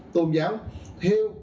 tôn giáo theo